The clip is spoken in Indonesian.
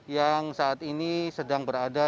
yang saat ini sedang berada